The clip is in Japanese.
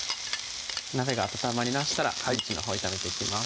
鍋が温まりましたらミンチのほう炒めていきます